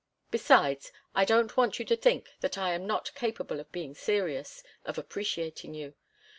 Besides, I don't want you to think that I am not capable of being serious—of appreciating you.